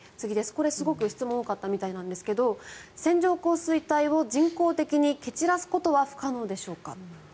これはすごく多かったみたいなんですが線状降水帯を人工的に蹴散らすことは不可能でしょうか。